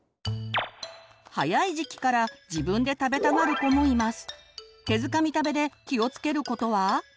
早い時期から自分で食べたがる子もいます。